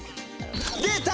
出た！